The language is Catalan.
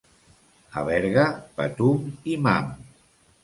A Berga, patum i mam.